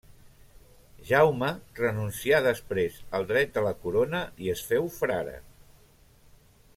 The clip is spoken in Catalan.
Jaume, renuncià després al dret de la corona i es féu frare.